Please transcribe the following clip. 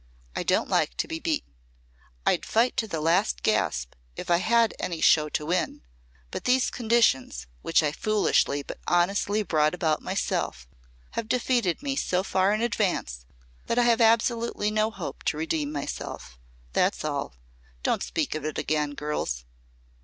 I don't like to be beaten. I'd fight to the last gasp, if I had any show to win. But these conditions, which I foolishly but honestly brought about myself, have defeated me so far in advance that I have absolutely no hope to redeem myself. That's all. Don't speak of it again, girls.